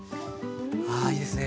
あいいですね